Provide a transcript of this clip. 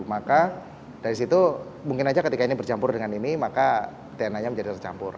maka dari situ mungkin aja ketika ini bercampur dengan ini maka dna nya menjadi tercampur